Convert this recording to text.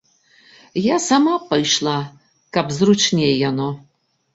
Я сама б пайшла, каб зручней яно.